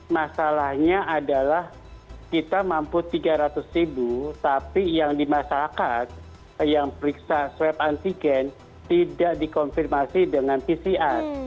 masalahnya adalah kita mampu tiga ratus ribu tapi yang di masyarakat yang periksa swab antigen tidak dikonfirmasi dengan pcr